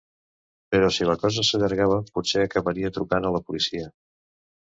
Però si la cosa s'allargava potser acabaria trucant a la policia.